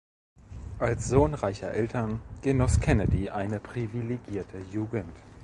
Als Sohn reicher Eltern genoss Kennedy eine privilegierte Jugend.